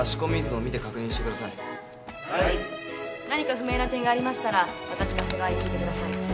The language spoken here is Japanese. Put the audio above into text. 何か不明な点がありましたら私か長谷川に聞いてください。